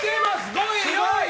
５位、４位。